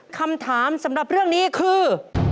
คำถามสำหรับเรื่องนี้คือ